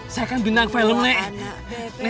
saya kan bintang film nek